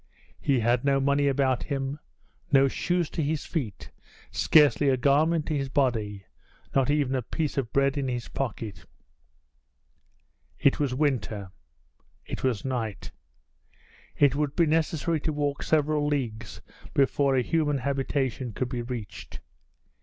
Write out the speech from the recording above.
He had no money about him, no shoes to his feet, scarcely a garment to his body, not even a piece of bread in his pocket. It was winter it was night. It would be necessary to walk several leagues before a human habitation could be reached.